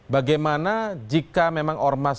bagaimana jika memang ormas